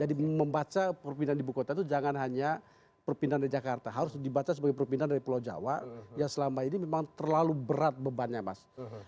jadi membaca perpindahan di buku kota itu jangan hanya perpindahan dari jakarta harus dibaca sebagai perpindahan dari pulau jawa yang selama ini memang terlalu berat bebannya mas